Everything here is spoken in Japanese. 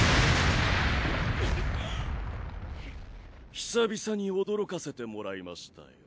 久々に驚かせてもらいましたよ。